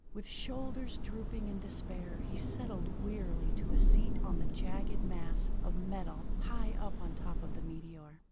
With shoulders drooping in despair he settled wearily to a seat on the jagged mass of metal high up on top of the meteor.